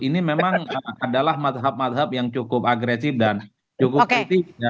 ini memang adalah mazhab mazhab yang cukup agresif dan cukup penting